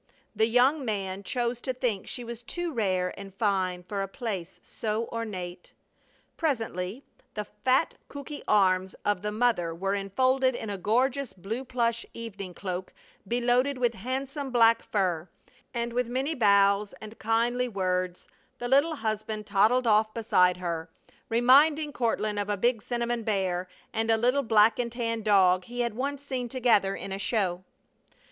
The young man chose to think she was too rare and fine for a place so ornate. Presently the fat cooky arms of the mother were enfolded in a gorgeous blue plush evening cloak beloaded with handsome black fur; and with many bows and kindly words the little husband toddled off beside her, reminding Courtland of a big cinnamon bear and a little black and tan dog he had once seen together in a show.